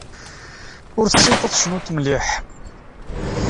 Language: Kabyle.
Ur tessineḍ ad tecnuḍ mliḥ.